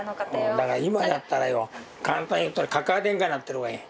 だから今だったらよ簡単に言ったらかかあ天下になってる方がいい。